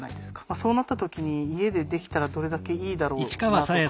そうなった時に家でできたらどれだけいいだろうなとか。